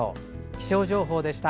気象情報でした。